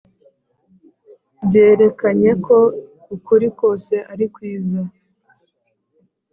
byerekanye ko ukuri kose ari kwiza